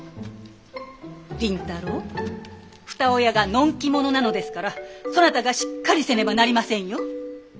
麟太郎ふた親がのんき者なのですからそなたがしっかりせねばなりませんよ。